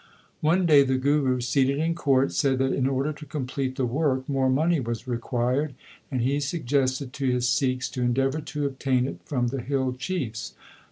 One day the Guru seated in court, said that in order to complete the work more money was required, and he suggested to his Sikhs to endeavour to obtain it from the hill chiefs.